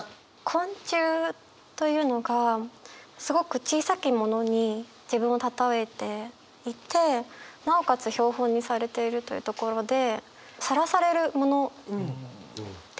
昆虫というのがすごく小さきものに自分を例えていてなおかつ標本にされているというところで。